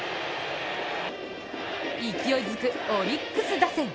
勢いづくオリックス打線。